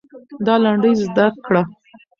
دا لنډۍ زده کړه.